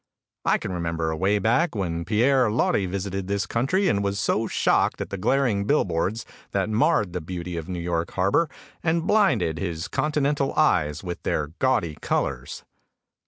I can remember away back when Pierre Loti visited this country and was so shocked at the glaring billboards that marred the beauty of New York harbor and blinded his continental eyes with their gaudy colors.